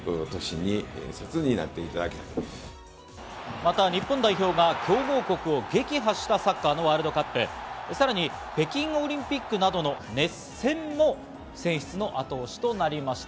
また、日本代表が強豪国を撃破したサッカーのワールドカップ、さらに北京オリンピックなどの熱戦も選出の後押しとなりました。